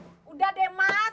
udah deh mas